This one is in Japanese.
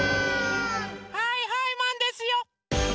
はいはいマンですよ！